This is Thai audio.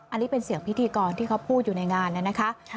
อันนี้เป็นเสียงพิธีกรที่เขาพูดอยู่ในงานเนี่ยนะคะ